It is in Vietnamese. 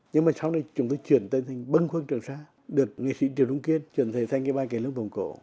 nhưng mà sau này chúng tôi chuyển tên thành bâng khuân trường sa được nghệ sĩ triều trung kiên chuyển thành cái bài cải lương vòng cổ